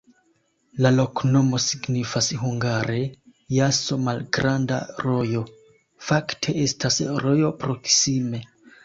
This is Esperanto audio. La loknomo signifas hungare: jaso-malgranda rojo, fakte estas rojo proksime.